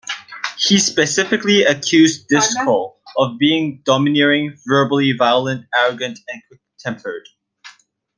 He specifically accused Driscoll of being "domineering, verbally violent, arrogant, and quick-tempered".